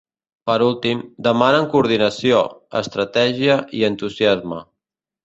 Per últim, demanen coordinació, estratègia i entusiasme.